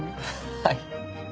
はい。